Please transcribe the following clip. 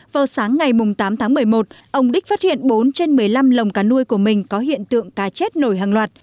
vào sáng ngày tám tháng một mươi một ông đích phát hiện bốn trên một mươi năm lồng cá nuôi của mình có hiện tượng cá chết nổi hàng loạt